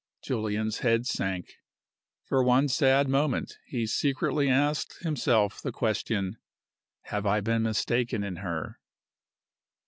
Julian's head sank. For one sad moment he secretly asked himself the question: "Have I been mistaken in her?"